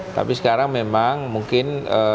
tapi sekarang memang mungkin